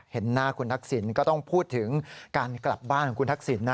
เห็นหน้าคุณทักษิณก็ต้องพูดถึงการกลับบ้านของคุณทักษิณนะ